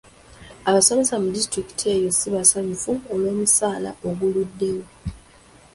Abasomesa mu disitulikiti eyo ssi basanyufu olw'omusaala oguluddewo.